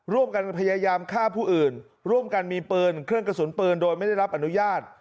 ร่วมกันพยายามฆ่าผู้อื่นร่วมกันมีปืนเครื่องกระสุนปืนโดยไม่ได้รับอนุญาต